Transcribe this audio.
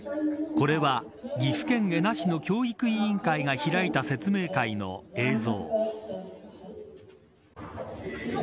これは、岐阜県恵那市の教育委員会が開いた説明会の映像。